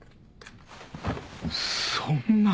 そんな。